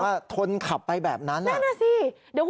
แต่ว่าทนขับไปแบบนั้นอ่ะ